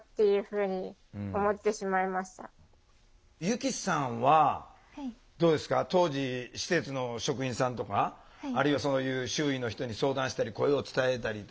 ゆきさんはどうですか当時施設の職員さんとかあるいはそういう周囲の人に相談したり声を伝えたりとかしたことあります？